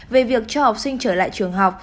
về việc cho học sinh trở lại trường học